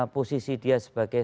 posisi dia sebagai